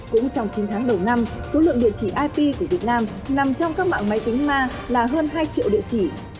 cũng trong chín tháng đầu năm số lượng địa chỉ ip của việt nam nằm trong các mạng máy tính ma là hơn hai triệu địa chỉ